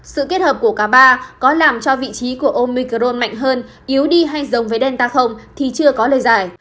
sự kết hợp của cả ba có làm cho vị trí của omicrone mạnh hơn yếu đi hay giống với delta không thì chưa có lời giải